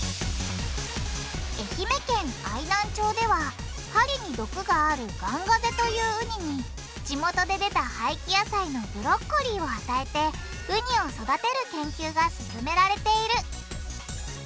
愛媛県愛南町では針に毒がある「ガンガゼ」というウニに地元で出た廃棄野菜のブロッコリーを与えてウニを育てる研究が進められている。